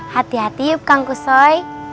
hati hati tangguh soi